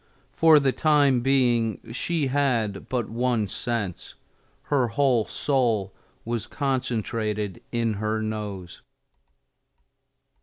For the time being she had but one sense: her whole soul was concentrated in her nose.